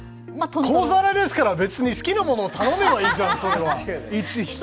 小皿ですから好きなものを頼めばいいじゃん、それは！